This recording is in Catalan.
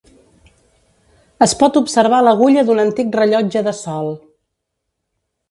Es pot observar l'agulla d'un antic rellotge de sol.